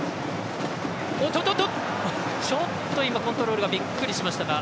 ちょっとコントロールがびっくりしましたが。